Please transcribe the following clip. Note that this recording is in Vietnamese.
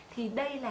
thì đây là